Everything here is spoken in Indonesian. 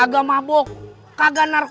anggap aja hitung hitung bantuin jalan itu ya